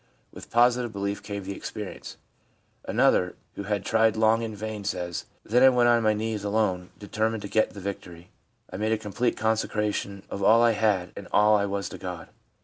With positive belief came the experience/ Another, who had tried long in vain, says :' Then I went on my knees alone, determined to get the victory. I made a com plete consecration of all I had and all I was to God.